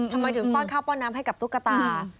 ทำไมถึงป้อนข้าวป้อนน้ำให้กับตุ๊กตา